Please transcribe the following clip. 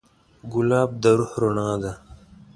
ګلاب د روح رڼا ده.